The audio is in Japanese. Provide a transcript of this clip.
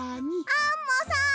アンモさん！